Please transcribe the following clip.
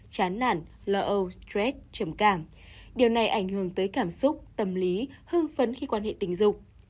chán nản lo âu stress trầm cảm điều này ảnh hưởng tới cảm xúc tâm lý hưng phấn khi quan hệ tình dục